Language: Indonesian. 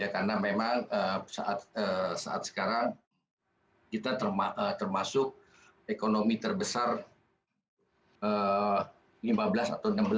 karena memang saat sekarang kita termasuk ekonomi terbesar lima belas atau enam belas